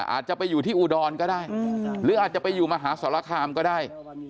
อาจจะไปอยู่ที่อุดรก็ได้หรืออาจจะไปอยู่มหาสรคามก็ได้